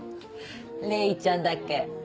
レイちゃんだっけ？